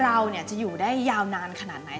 เราจะอยู่ได้ยาวนานขนาดไหน